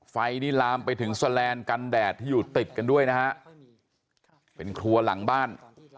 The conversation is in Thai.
ไฟนี่ลามไปถึงแสลนด์กันแดดที่อยู่ติดกันด้วยนะฮะเป็นครัวหลังบ้าน